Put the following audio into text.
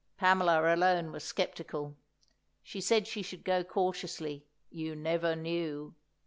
Pamela alone was sceptical; she said she should go cautiously, you never knew!